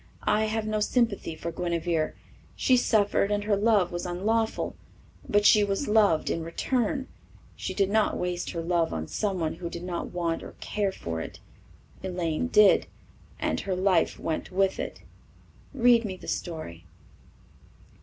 "I have no sympathy for Guinevere. She suffered and her love was unlawful, but she was loved in return she did not waste her love on someone who did not want or care for it. Elaine did, and her life went with it. Read me the story."